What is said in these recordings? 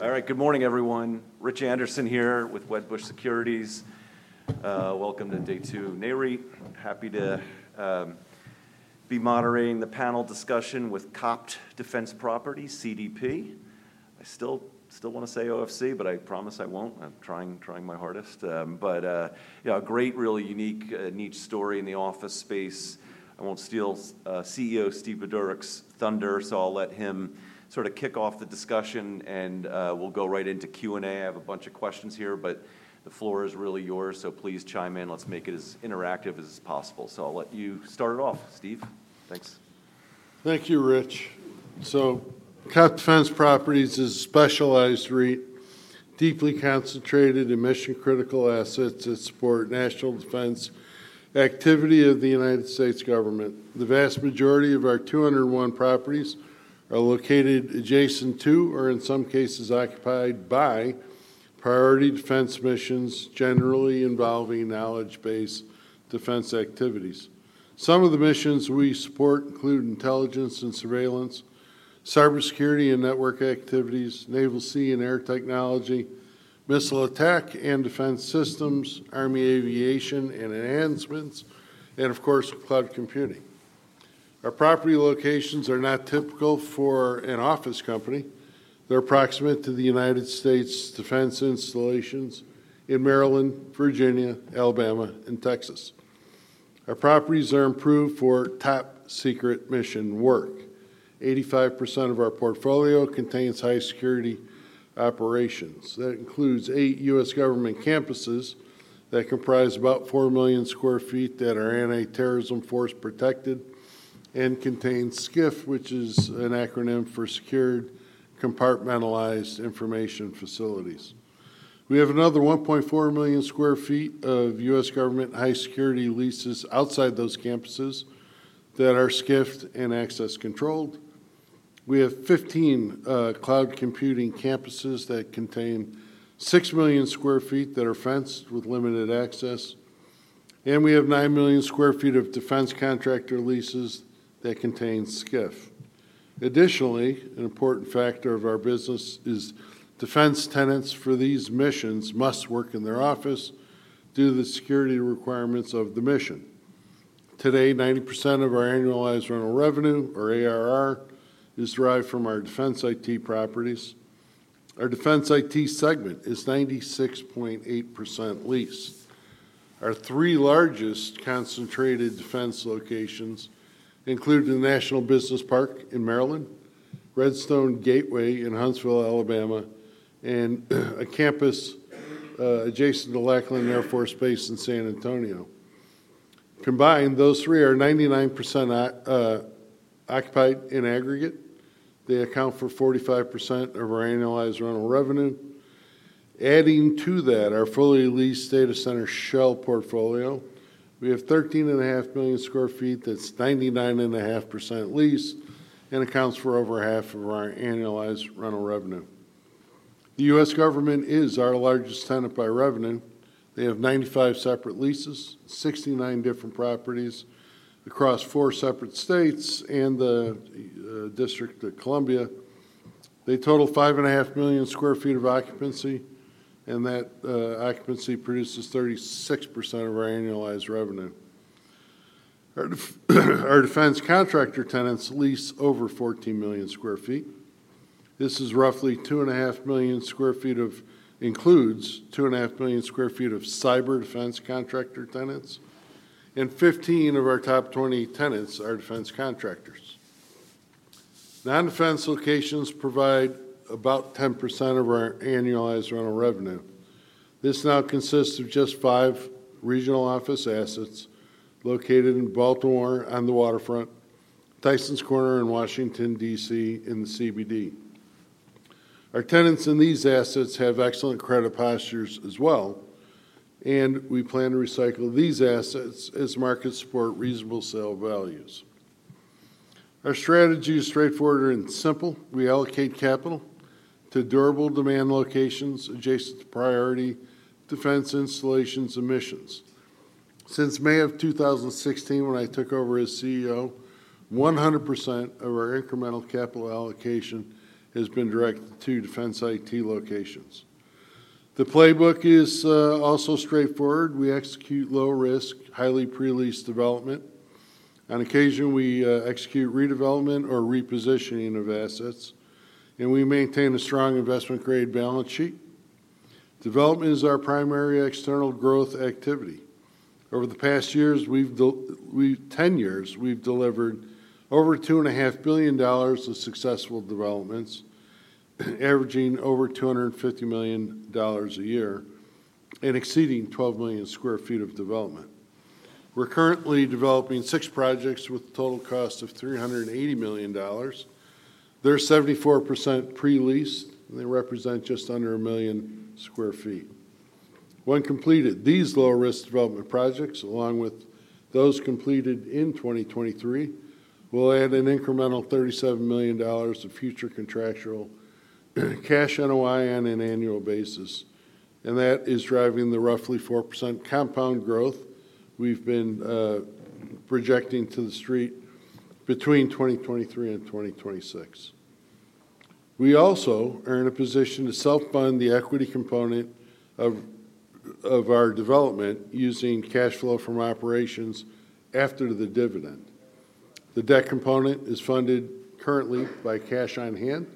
All right, good morning, everyone. Rich Anderson here with Wedbush Securities. Welcome to day two of NAREIT. Happy to be moderating the panel discussion with COPT Defense Properties, CDP. I still want to say OFC, but I promise I won't. I'm trying my hardest. But yeah, a great, really unique niche story in the office space. I won't steal CEO Steve Budorick's thunder, so I'll let him sort of kick off the discussion, and we'll go right into Q&A. I have a bunch of questions here, but the floor is really yours, so please chime in. Let's make it as interactive as possible. So I'll let you start it off, Steve. Thanks. Thank you, Rich. So COPT Defense Properties is a specialized REIT, deeply concentrated in mission-critical assets that support national defense activity of the United States government. The vast majority of our 201 properties are located adjacent to, or in some cases occupied by, priority defense missions, generally involving knowledge-based defense activities. Some of the missions we support include intelligence and surveillance, cybersecurity and network activities, naval sea and air technology, missile attack and defense systems, army aviation and enhancements, and of course, cloud computing. Our property locations are not typical for an office company. They're adjacent to the United States defense installations in Maryland, Virginia, Alabama, and Texas. Our properties are approved for top-secret mission work. 85% of our portfolio contains high security operations. That includes 8 U.S. government campuses that comprise about 4 million sq ft that are anti-terrorism force protected and contain SCIF, which is an acronym for Secured Compartmentalized Information Facilities. We have another 1.4 million sq ft of U.S. government high-security leases outside those campuses that are SCIF and access controlled. We have 15 cloud computing campuses that contain 6 million sq ft that are fenced with limited access, and we have 9 million sq ft of defense contractor leases that contain SCIF. Additionally, an important factor of our business is defense tenants for these missions must work in their office due to the security requirements of the mission. Today, 90% of our annualized rental revenue, or ARR, is derived from our defense IT properties. Our defense IT segment is 96.8% leased. Our three largest concentrated defense locations include the National Business Park in Maryland, Redstone Gateway in Huntsville, Alabama, and a campus adjacent to Lackland Air Force Base in San Antonio. Combined, those three are 99% occupied in aggregate. They account for 45% of our annualized rental revenue. Adding to that, our fully leased data center shell portfolio, we have 13.5 million sq ft, that's 99.5% leased, and accounts for over half of our annualized rental revenue. The U.S. Government is our largest tenant by revenue. They have 95 separate leases, 69 different properties across four separate states and the District of Columbia. They total 5.5 million sq ft of occupancy, and that occupancy produces 36% of our annualized revenue. Our defense contractor tenants lease over 14 million sq ft. This is roughly 2.5 million sq ft includes 2.5 million sq ft of cyber defense contractor tenants, and 15 of our top 20 tenants are defense contractors. Non-defense locations provide about 10% of our annualized rental revenue. This now consists of just 5 regional office assets located in Baltimore on the waterfront, Tysons Corner in Washington, D.C., in the CBD. Our tenants in these assets have excellent credit postures as well, and we plan to recycle these assets as markets support reasonable sale values. Our strategy is straightforward and simple. We allocate capital to durable demand locations adjacent to priority defense installations and missions. Since May of 2016, when I took over as CEO, 100% of our incremental capital allocation has been directed to defense IT locations. The playbook is also straightforward. We execute low risk, highly pre-leased development. On occasion, we execute redevelopment or repositioning of assets, and we maintain a strong investment-grade balance sheet. Development is our primary external growth activity. Over the past ten years, we've delivered over $2.5 billion of successful developments, averaging over $250 million a year and exceeding 12 million sq ft of development. We're currently developing six projects with a total cost of $380 million. They're 74% pre-leased, and they represent just under 1 million sq ft. When completed, these low-risk development projects, along with those completed in 2023, will add an incremental $37 million of future contractual cash NOI on an annual basis, and that is driving the roughly 4% compound growth we've been projecting to the street between 2023 and 2026. We also are in a position to self-fund the equity component of our development using cash flow from operations after the dividend. The debt component is funded currently by cash on hand.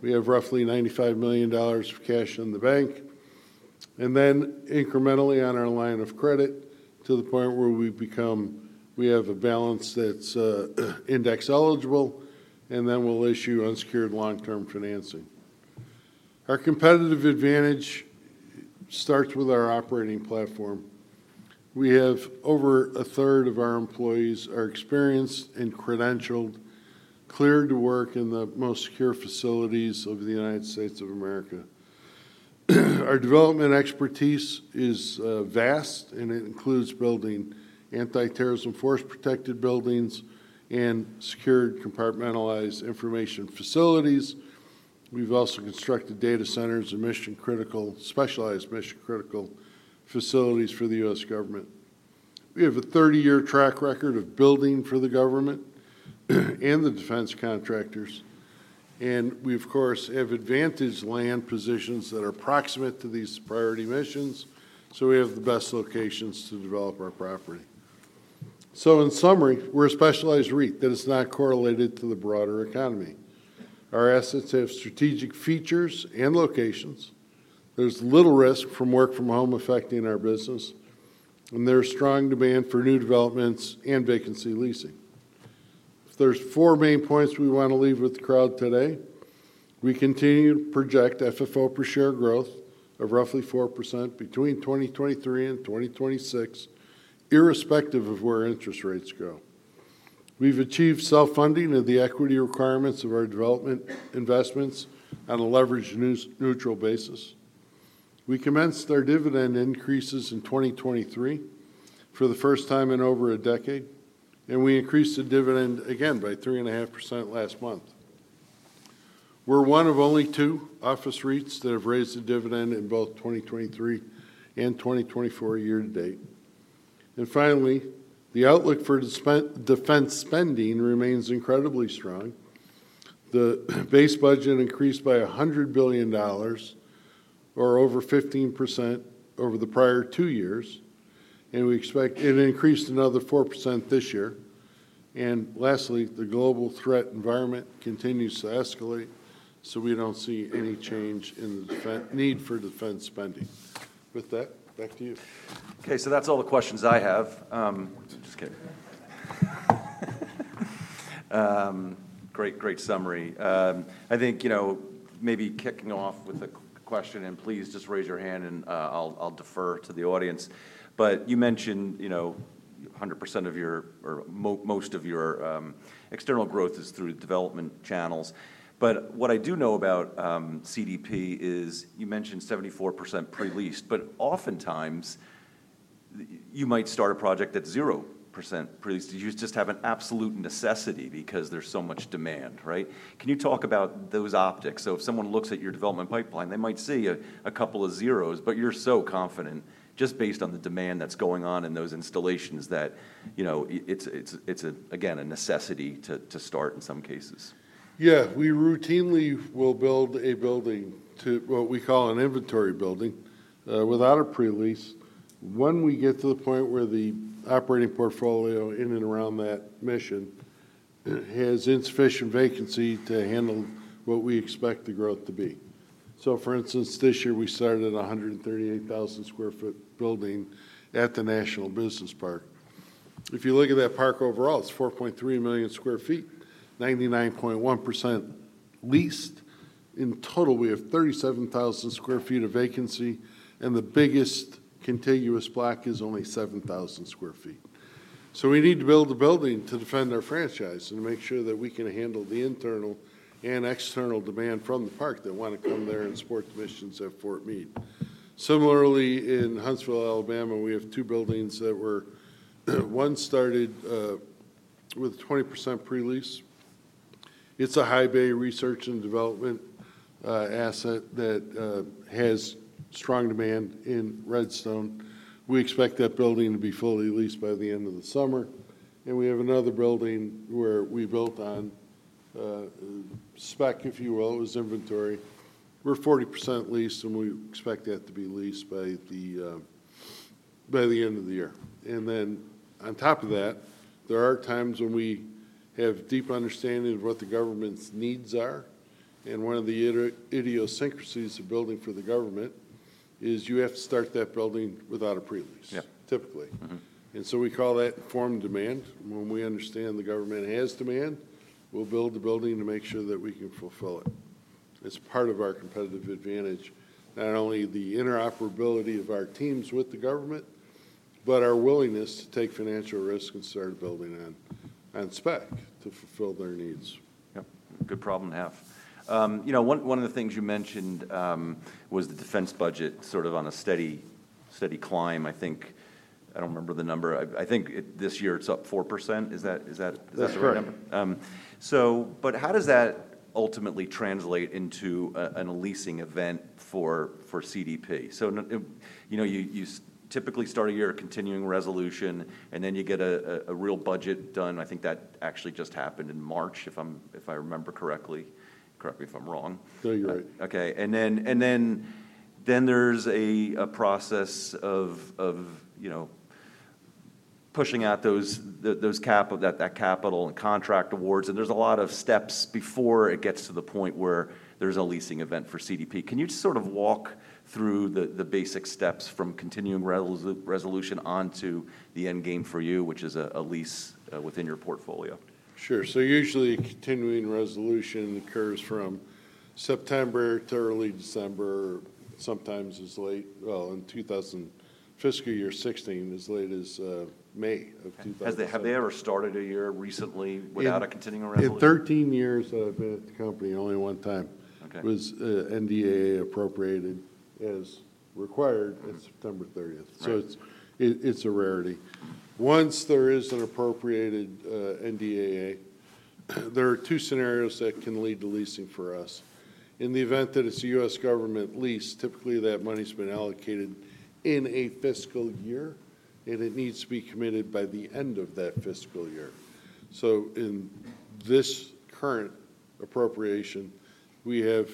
We have roughly $95 million of cash in the bank, and then incrementally on our line of credit to the point where we have a balance that's index eligible, and then we'll issue unsecured long-term financing. Our competitive advantage starts with our operating platform. We have over a third of our employees are experienced and credentialed, cleared to work in the most secure facilities of the United States of America. Our development expertise is vast, and it includes building anti-terrorism force protected buildings and secured compartmentalized information facilities. We've also constructed data centers and specialized mission-critical facilities for the U.S. government. We have a 30-year track record of building for the government and the defense contractors, and we, of course, have advantaged land positions that are proximate to these priority missions, so we have the best locations to develop our property. So in summary, we're a specialized REIT that is not correlated to the broader economy. Our assets have strategic features and locations. There's little risk from work from home affecting our business, and there's strong demand for new developments and vacancy leasing. There's four main points we want to leave with the crowd today. We continue to project FFO per share growth of roughly 4% between 2023 and 2026, irrespective of where interest rates go. We've achieved self-funding of the equity requirements of our development investments on a leverage neutral basis. We commenced our dividend increases in 2023 for the first time in over a decade, and we increased the dividend again by 3.5% last month. We're one of only 2 office REITs that have raised the dividend in both 2023 and 2024 year-to-date. And finally, the outlook for defense spending remains incredibly strong. The base budget increased by $100 billion, or over 15% over the prior 2 years, and we expect it to increase another 4% this year. And lastly, the global threat environment continues to escalate, so we don't see any change in the defense need for defense spending. With that, back to you. Okay, so that's all the questions I have. Just kidding. Great, great summary. I think, you know, maybe kicking off with a question, and please just raise your hand and, I'll defer to the audience. But you mentioned, you know, 100% of your... or most of your external growth is through development channels. But what I do know about CDP is you mentioned 74% pre-leased, but oftentimes, you might start a project at 0% pre-leased. You just have an absolute necessity because there's so much demand, right? Can you talk about those optics? So if someone looks at your development pipeline, they might see a couple of zeros, but you're so confident just based on the demand that's going on in those installations that, you know, it's again a necessity to start in some cases. Yeah. We routinely will build a building to what we call an inventory building without a pre-lease. When we get to the point where the operating portfolio in and around that mission has insufficient vacancy to handle what we expect the growth to be. So, for instance, this year, we started a 138,000 sq ft building at the National Business Park. If you look at that park overall, it's 4.3 million sq ft, 99.1% leased. In total, we have 37,000 sq ft of vacancy, and the biggest contiguous block is only 7,000 sq ft. So we need to build a building to defend our franchise and make sure that we can handle the internal and external demand from the park that wanna come there and support the missions at Fort Meade. Similarly, in Huntsville, Alabama, we have two buildings, one started with a 20% pre-lease. It's a high bay research and development asset that has strong demand in Redstone. We expect that building to be fully leased by the end of the summer, and we have another building where we built on spec, if you will. It was inventory. We're 40% leased, and we expect that to be leased by the end of the year. And then on top of that, there are times when we have deep understanding of what the government's needs are, and one of the idiosyncrasies of building for the government is you have to start that building without a pre-lease- Yeah... typically. Mm-hmm. We call that informed demand. When we understand the government has demand, we'll build the building to make sure that we can fulfill it. It's part of our competitive advantage, not only the interoperability of our teams with the government, but our willingness to take financial risk and start building on spec to fulfill their needs. Yep. Good problem to have. You know, one, one of the things you mentioned was the defense budget sort of on a steady climb, I think. I don't remember the number. I think it, this year it's up 4%. Is that the right number? That's correct. But how does that ultimately translate into a leasing event for CDP? So, you know, you typically start a year of Continuing Resolution, and then you get a real budget done. I think that actually just happened in March, if I remember correctly. Correct me if I'm wrong. No, you're right. Okay, and then there's a process of, you know, pushing out those capital and contract awards, and there's a lot of steps before it gets to the point where there's a leasing event for CDP. Can you just sort of walk through the basic steps from continuing resolution onto the end game for you, which is a lease within your portfolio? Sure. So usually, Continuing Resolution occurs from September to early December, sometimes as late... Well, in 2000—fiscal year 2016, as late as, May of 2000- Have they ever started a year recently without a Continuing Resolution? In 13 years that I've been at the company, only one time- Okay... was, NDAA appropriated as required on September thirtieth. Right. So it's a rarity. Once there is an appropriated NDAA, there are two scenarios that can lead to leasing for us. In the event that it's a U.S. government lease, typically that money's been allocated in a fiscal year, and it needs to be committed by the end of that fiscal year. So in this current appropriation, we have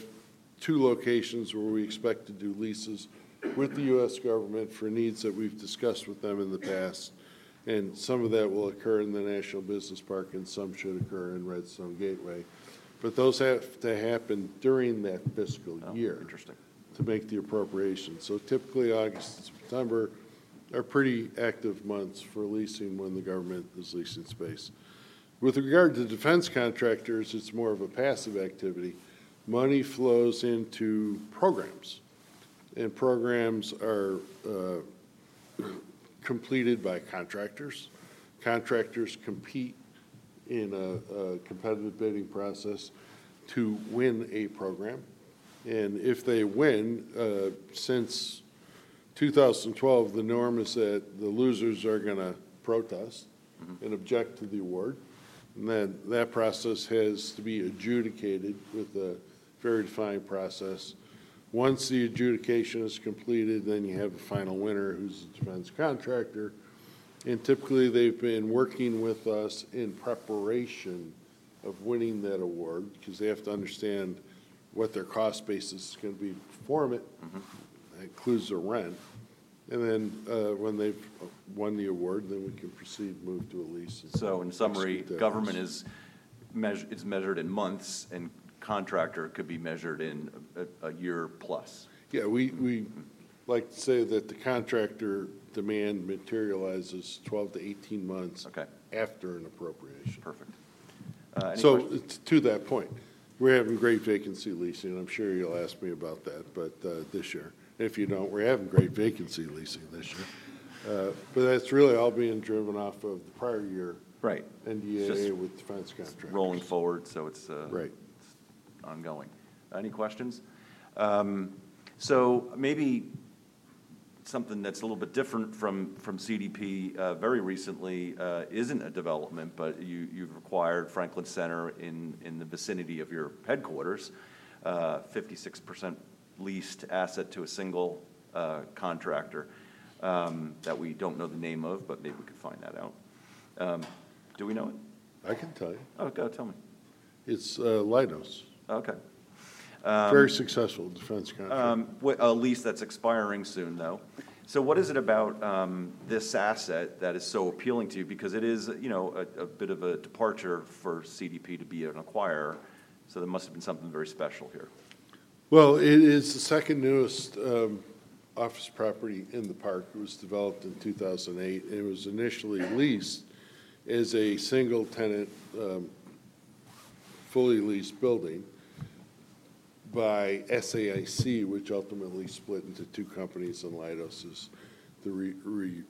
two locations where we expect to do leases with the U.S. government for needs that we've discussed with them in the past, and some of that will occur in the National Business Park, and some should occur in Redstone Gateway. But those have to happen during that fiscal year- Oh, interesting... to make the appropriation. So typically, August to September are pretty active months for leasing when the government is leasing space. With regard to defense contractors, it's more of a passive activity. Money flows into programs, and programs are completed by contractors. Contractors compete in a competitive bidding process to win a program, and if they win, since 2012, the norm is that the losers are gonna protest- Mm-hmm... and object to the award. And then, that process has to be adjudicated with a very defined process. Once the adjudication is completed, then you have a final winner, who's the defense contractor, and typically, they've been working with us in preparation of winning that award because they have to understand what their cost basis is gonna be to perform it. Mm-hmm. That includes the rent. And then, when they've won the award, then we can proceed and move to a lease and- In summary- Yes... government is measured in months, and contractor could be measured in a year plus. Yeah, we like to say that the contractor demand materializes 12-18 months- Okay... after an appropriation. Perfect. Any quest- So to that point, we're having great vacancy leasing. I'm sure you'll ask me about that, but this year. If you don't, we're having great vacancy leasing this year. But that's really all being driven off of the prior year- Right... NDAA with defense contractors. Rolling forward, so it's, Right ... ongoing. Any questions? So maybe something that's a little bit different from, from CDP, very recently, isn't a development, but you, you've acquired Franklin Center in, in the vicinity of your headquarters. 56% leased asset to a single, contractor, that we don't know the name of, but maybe we could find that out. Do we know it? I can tell you. Oh, go ahead, tell me. It's Leidos. Okay. Um- Very successful defense contractor. A lease that's expiring soon, though. So what is it about this asset that is so appealing to you? Because it is, you know, a bit of a departure for CDP to be an acquirer, so there must have been something very special here. Well, it is the second newest office property in the park. It was developed in 2008. It was initially leased as a single-tenant, fully leased building by SAIC, which ultimately split into two companies, and Leidos is the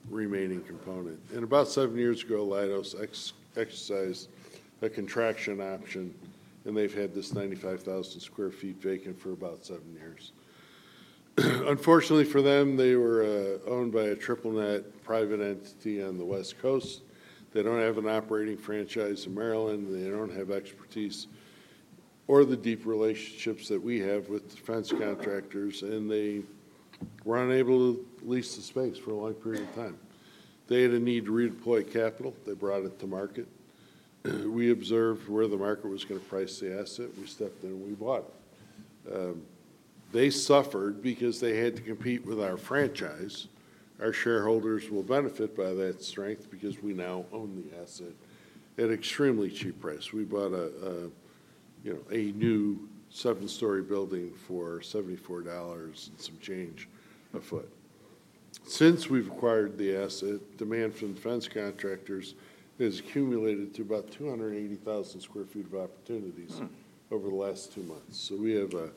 remaining component. And about seven years ago, Leidos exercised a contraction option, and they've had this 95,000 sq ft vacant for about seven years. Unfortunately for them, they were owned by a triple-net private entity on the West Coast. They don't have an operating franchise in Maryland. They don't have expertise or the deep relationships that we have with defense contractors, and they were unable to lease the space for a long period of time. They had a need to redeploy capital. They brought it to market. We observed where the market was gonna price the asset. We stepped in, and we bought it. They suffered because they had to compete with our franchise. Our shareholders will benefit by that strength because we now own the asset at extremely cheap price. We bought a, you know, a new seven-story building for $74 and some change a foot. Since we've acquired the asset, demand from defense contractors has accumulated to about 280,000 sq ft of opportunities- Wow... over the last 2 months. So we have a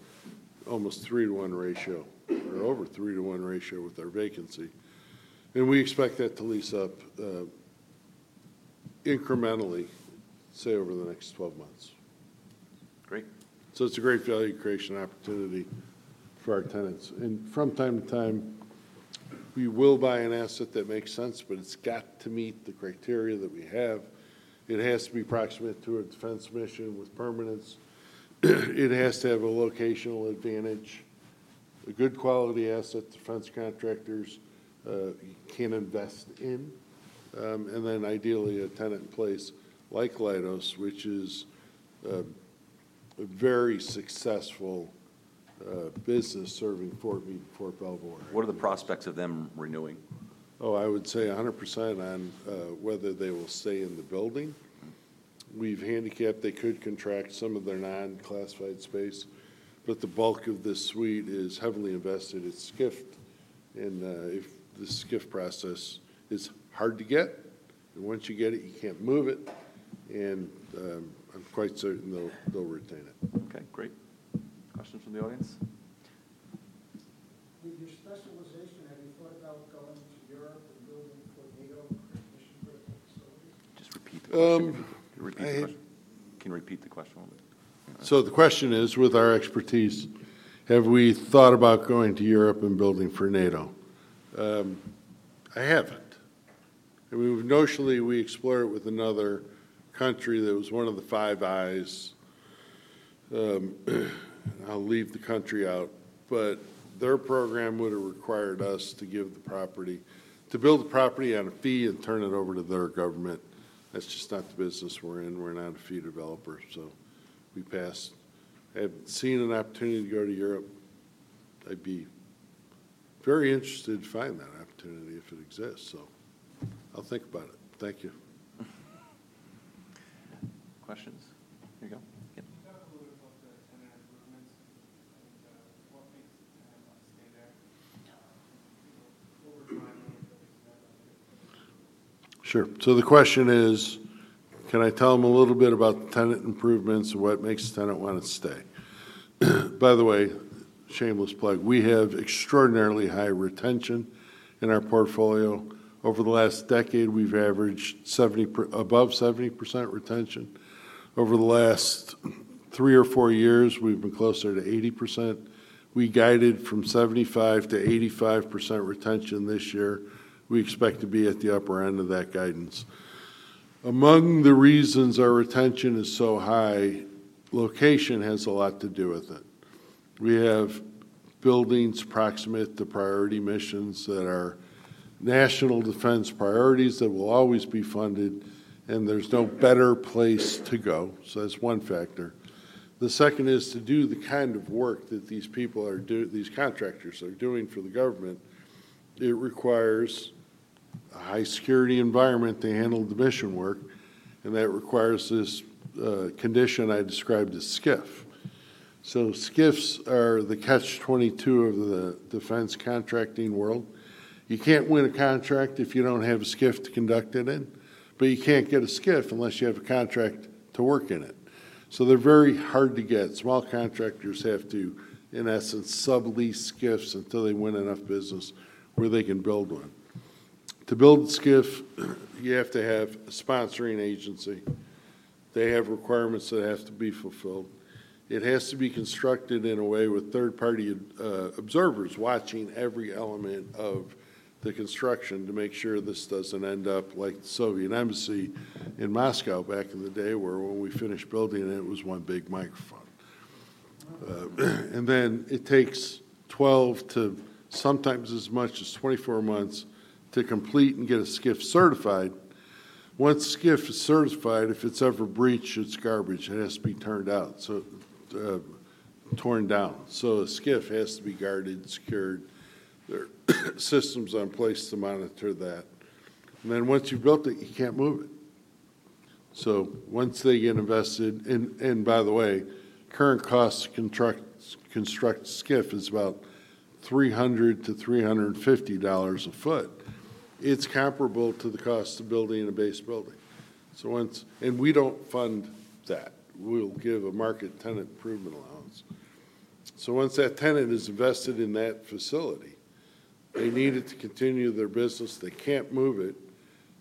almost 3-to-1 ratio, or over 3-to-1 ratio with our vacancy, and we expect that to lease up, incrementally, say over the next 12 months. Great. So it's a great value creation opportunity for our tenants. And from time to time, we will buy an asset that makes sense, but it's got to meet the criteria that we have. It has to be proximate to a defense mission with permanence. It has to have a locational advantage, a good quality asset defense contractors can invest in. And then ideally, a tenant in place like Leidos, which is a very successful business serving Fort Meade, Fort Belvoir. What are the prospects of them renewing? Oh, I would say 100% on whether they will stay in the building. We've handicapped, they could contract some of their non-classified space, but the bulk of this suite is heavily invested in SCIF. If the SCIF process is hard to get, and once you get it, you can't move it, and I'm quite certain they'll, they'll retain it. Okay, great. Questions from the audience? With your specialization, have you thought about going to Europe and building for NATO mission-critical facilities? Just repeat the question. Um, I- Can you repeat the question? Can you repeat the question one more? So the question is, with our expertise, have we thought about going to Europe and building for NATO? I haven't. I mean, notionally, we explored it with another country that was one of the Five Eyes. I'll leave the country out, but their program would have required us to build the property on a fee and turn it over to their government. That's just not the business we're in. We're not a fee developer, so we passed. I haven't seen an opportunity to go to Europe. I'd be very interested to find that opportunity if it exists, so I'll think about it. Thank you. Questions? Here you go. Yeah. Can you talk a little bit about the tenant improvements, and what makes the tenant want to stay there over time? Sure. So the question is, can I tell them a little bit about the tenant improvements and what makes the tenant want to stay? By the way, shameless plug, we have extraordinarily high retention in our portfolio. Over the last decade, we've averaged 70%, above 70% retention. Over the last three or four years, we've been closer to 80%. We guided from 75%-85% retention this year. We expect to be at the upper end of that guidance. Among the reasons our retention is so high, location has a lot to do with it. We have buildings proximate to priority missions that are national defense priorities that will always be funded, and there's no better place to go. So that's one factor. The second is to do the kind of work that these contractors are doing for the government. It requires a high security environment to handle the mission work, and that requires this condition I described as SCIF. So SCIFs are the catch-22 of the defense contracting world. You can't win a contract if you don't have a SCIF to conduct it in, but you can't get a SCIF unless you have a contract to work in it. So they're very hard to get. Small contractors have to, in essence, sublease SCIFs until they win enough business where they can build one. To build a SCIF, you have to have a sponsoring agency. They have requirements that have to be fulfilled. It has to be constructed in a way with third-party observers watching every element of the construction to make sure this doesn't end up like the Soviet Embassy in Moscow back in the day, where when we finished building it, it was one big microphone. And then it takes 12 to sometimes as much as 24 months to complete and get a SCIF certified. Once SCIF is certified, if it's ever breached, it's garbage. It has to be turned out, so torn down. So a SCIF has to be guarded and secured. There are systems in place to monitor that. And then once you've built it, you can't move it. So once they get invested... And by the way, current costs to construct SCIF is about $300-$350 a foot. It's comparable to the cost of building a base building. So once and we don't fund that. We'll give a market tenant improvement allowance. So once that tenant is invested in that facility, they need it to continue their business, they can't move it,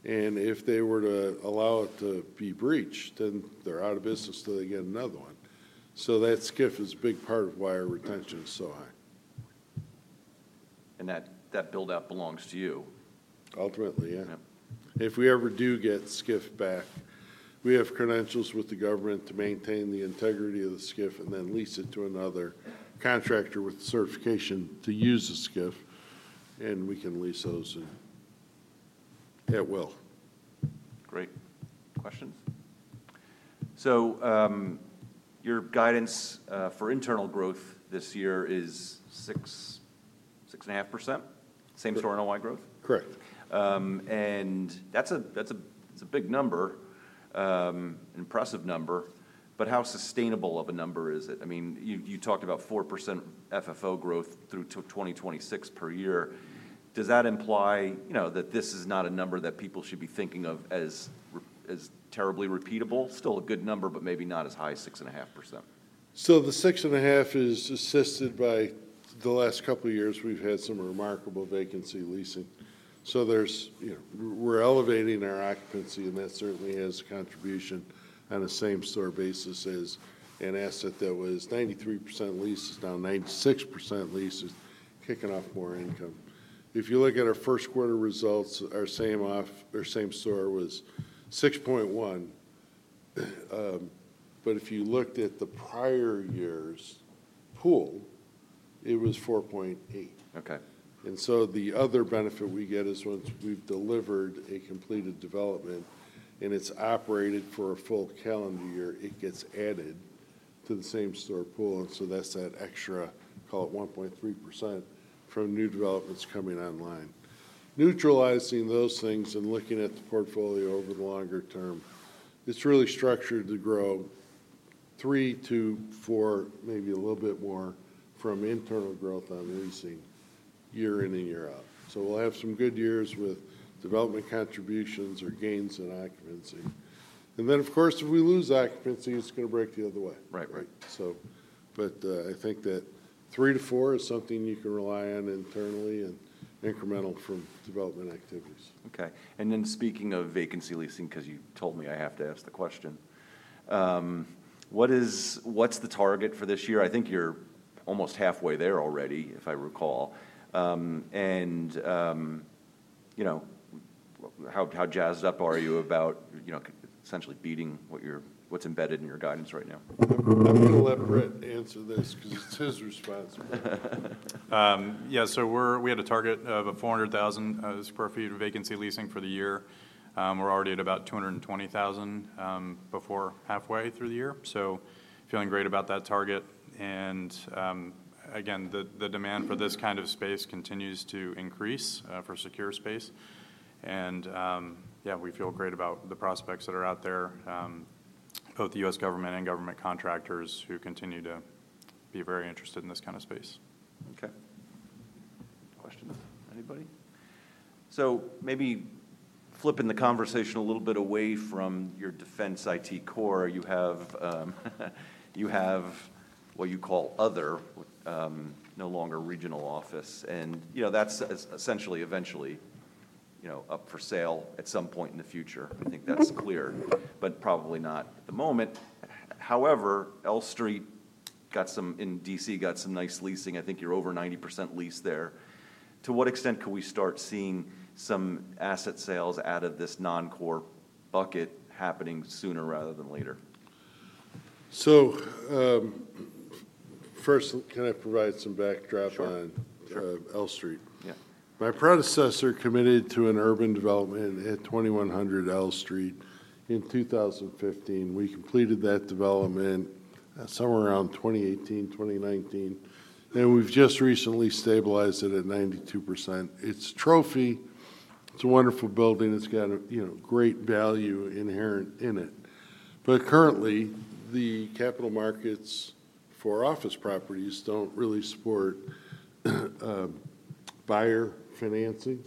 and if they were to allow it to be breached, then they're out of business till they get another one. So that SCIF is a big part of why our retention is so high. That build-out belongs to you? Ultimately, yeah. Yeah. If we ever do get SCIF back, we have credentials with the government to maintain the integrity of the SCIF and then lease it to another contractor with the certification to use the SCIF, and we can lease those at will. Great. Questions? So, your guidance for internal growth this year is 6%-6.5%? Same store NOI growth. Correct. And that's a, it's a big number, impressive number, but how sustainable of a number is it? I mean, you talked about 4% FFO growth through to 2026 per year. Does that imply, you know, that this is not a number that people should be thinking of as re-- as terribly repeatable? Still a good number, but maybe not as high as 6.5%. So the 6.5% is assisted by the last couple years, we've had some remarkable vacancy leasing. So there's, you know, we're elevating our occupancy, and that certainly has a contribution on a same-store basis as an asset that was 93% leased is now 96% leased, is kicking off more income. If you look at our first quarter results, our same-store was 6.1%. But if you looked at the prior year's pool, it was 4.8%. Okay. So the other benefit we get is once we've delivered a completed development, and it's operated for a full calendar year, it gets added to the same-store pool, and so that's that extra, call it 1.3%, from new developments coming online. Neutralizing those things and looking at the portfolio over the longer term, it's really structured to grow 3-4, maybe a little bit more, from internal growth on leasing year in and year out. So we'll have some good years with development contributions or gains in occupancy, and then, of course, if we lose occupancy, it's gonna break the other way. Right. Right. I think that 3-4 is something you can rely on internally and incremental from development activities. Okay, and then speaking of vacancy leasing, 'cause you told me I have to ask the question, what is... What's the target for this year? I think you're almost halfway there already, if I recall. You know, how jazzed up are you about, you know, essentially beating what's embedded in your guidance right now? I'm gonna let Britt answer this, 'cause it's his responsibility. Yeah, so we had a target of 400,000 sq ft of vacancy leasing for the year. We're already at about 220,000 before halfway through the year, so feeling great about that target. Again, the demand for this kind of space continues to increase for secure space, and yeah, we feel great about the prospects that are out there both the U.S. Government and government contractors who continue to be very interested in this kind of space. Okay. Questions, anybody? So maybe flipping the conversation a little bit away from your defense IT core, you have, you have what you call other, no longer regional office, and, you know, that's, essentially, eventually, you know, up for sale at some point in the future. I think that's clear, but probably not at the moment. However, L Street got some, in D.C., got some nice leasing. I think you're over 90% leased there. To what extent could we start seeing some asset sales out of this non-core bucket happening sooner rather than later? So, first, can I provide some backdrop- Sure, sure. on, L Street? Yeah. My predecessor committed to an urban development at 2100 L Street in 2015. We completed that development somewhere around 2018, 2019, and we've just recently stabilized it at 92%. It's trophy. It's a wonderful building. It's got a, you know, great value inherent in it. But currently, the capital markets for office properties don't really support buyer financing,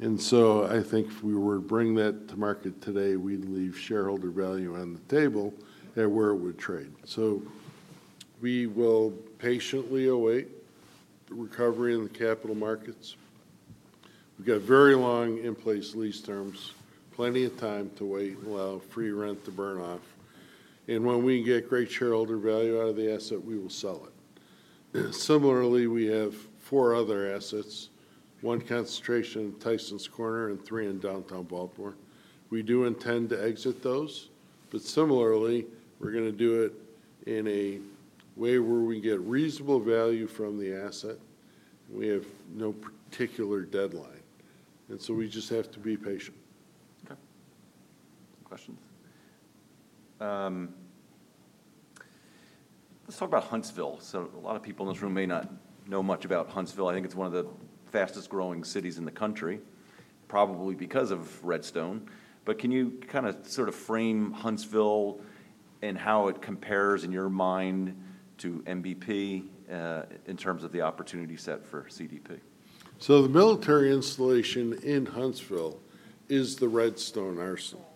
and so I think if we were to bring that to market today, we'd leave shareholder value on the table at where it would trade. So we will patiently await the recovery in the capital markets. We've got very long in-place lease terms, plenty of time to wait and allow free rent to burn off, and when we can get great shareholder value out of the asset, we will sell it. Similarly, we have four other assets, one concentration in Tysons Corner and three in downtown Baltimore. We do intend to exit those, but similarly, we're gonna do it in a way where we get reasonable value from the asset, and we have no particular deadline, and so we just have to be patient. Okay. Questions? Let's talk about Huntsville. So a lot of people in this room may not know much about Huntsville. I think it's one of the fastest-growing cities in the country, probably because of Redstone. But can you kinda, sort of frame Huntsville and how it compares in your mind to NBP, in terms of the opportunity set for CDP? So the military installation in Huntsville is the Redstone Arsenal,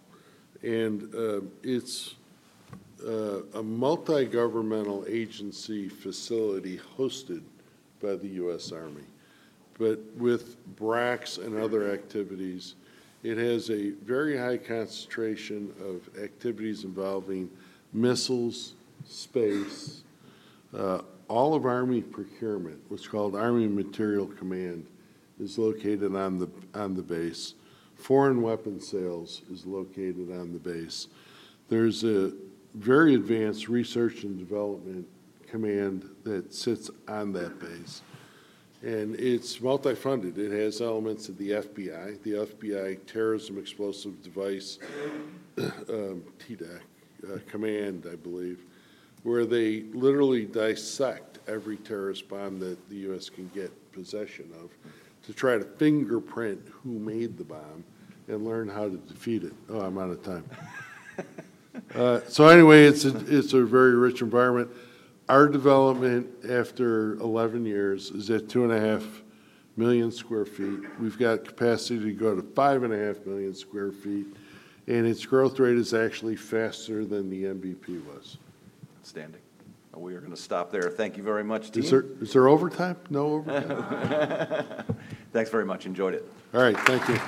and it's a multi-governmental agency facility hosted by the U.S. Army. But with BRACs and other activities, it has a very high concentration of activities involving missiles, space, all of Army procurement, what's called Army Materiel Command, is located on the base. Foreign weapon sales is located on the base. There's a very advanced research and development command that sits on that base, and it's multi-funded. It has elements of the FBI, the FBI Terrorist Explosive Device, TEDAC, Command, I believe, where they literally dissect every terrorist bomb that the U.S. can get possession of to try to fingerprint who made the bomb and learn how to defeat it. Oh, I'm out of time. So anyway, it's a very rich environment. Our development after 11 years is at 2.5 million sq ft. We've got capacity to go to 5.5 million sq ft, and its growth rate is actually faster than the NBP was. Outstanding. We are gonna stop there. Thank you very much, Stephen. Is there overtime? No overtime. Thanks very much. Enjoyed it. All right. Thank you.